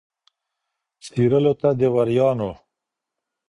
څېرلو ته د وریانو